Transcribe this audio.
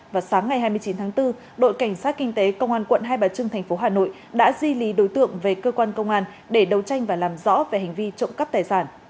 vào sáng ngày hai mươi chín tháng bốn đội cảnh sát kinh tế công an quận hai bà trưng thành phố hà nội đã di lý đối tượng về cơ quan công an để đấu tranh và làm rõ về hành vi trộm cắp tài sản